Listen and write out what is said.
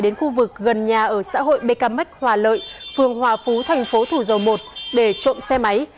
đến khu vực gần nhà ở xã hội bkmec hòa lợi phường hòa phú thành phố thủ dầu một để trộm xe máy